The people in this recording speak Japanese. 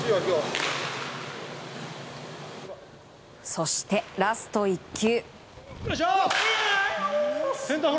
そして、ラスト１球。